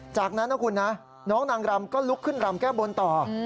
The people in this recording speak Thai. จากนั้นนะคุณนะน้องนางรำก็ลุกขึ้นรำแก้บนต่อ